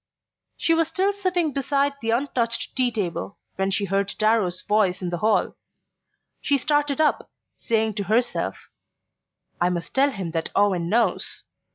She was still sitting beside the untouched tea table when she heard Darrow's voice in the hall. She started up, saying to herself: "I must tell him that Owen knows..."